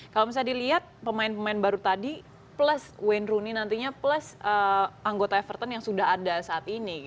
kalau misalnya dilihat pemain pemain baru tadi plus wayne rooney nantinya plus anggota everton yang sudah ada saat ini